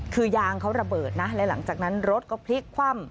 คือยางเขาระเบิดนะและหลังจากนั้นรถก็พลิกคว่ำ